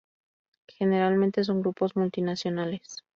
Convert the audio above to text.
Generalmente, son grupos multinacionales.